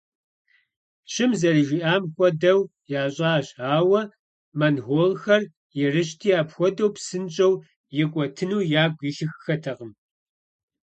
Пщым зэрыжиӏам хуэдэу ящӏащ, ауэ монголхэр ерыщти, апхуэдэу псынщӏэу икӏуэтыну ягу илъыххэтэкъым.